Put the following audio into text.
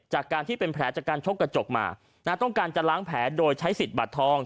จากการที่เป็นแผลจากการชกกระจกมาต้องการจะล้างแผลโดยใช้สิทธิ์บัตรทอง